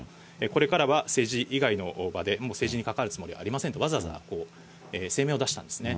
これからは政治以外の場で、もう政治に関わるつもりはありませんと、わざわざ声明を出したんですね。